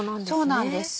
そうなんです。